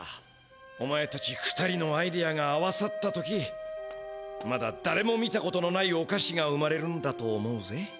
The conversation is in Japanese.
お前たち２人のアイデアが合わさった時まだだれも見たことのないおかしが生まれるんだと思うぜ。